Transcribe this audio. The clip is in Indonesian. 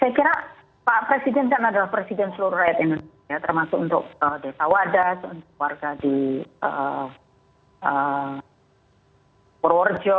saya kira pak presiden kan adalah presiden seluruh rakyat indonesia termasuk untuk desa wadas untuk warga di purworejo